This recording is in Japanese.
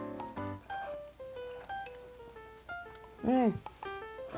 うん！